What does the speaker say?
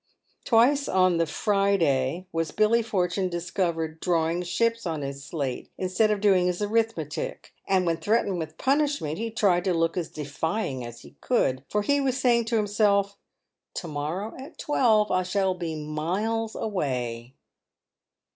Twice on the Eriday was Billy Fortune discovered drawing ships on his slate instead of " doing his arithmetic," and when threatened with punishment he tried to look as defying as he could, for he was saying to himself, " To morrow at twelve I shall be miles away."